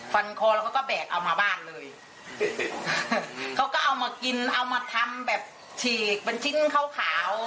คอแล้วเขาก็แบกเอามาบ้านเลยเขาก็เอามากินเอามาทำแบบฉีกเป็นชิ้นขาวขาว